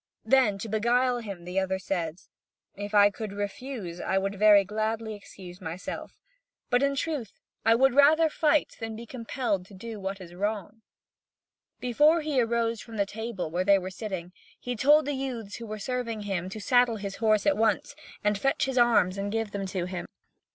Then, to beguile him. the other says: "If I could refuse, I would very gladly excuse myself; but in truth I would rather fight than be compelled to do what is wrong." Before he arose from the table where they were sitting, he told the youths who were serving him, to saddle his horse at once, and fetch his arms and give them to him.